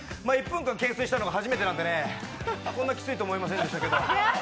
１分間懸垂したのが初めてなんでねこんなキツいと思いませんでしたけど。